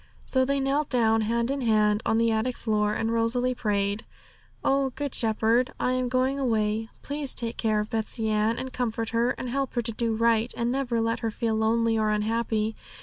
So they knelt down, hand in hand, on the attic floor, and Rosalie prayed 'Oh, Good Shepherd, I am going away; please take care of Betsey Ann, and comfort her, and help her to do right, and never let her feel lonely or unhappy.